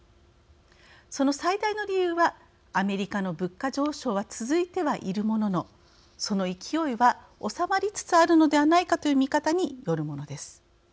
その最大の理由はアメリカの物価上昇は続いてはいるもののその勢いは収まりつつあるのではないかという見方によるものです。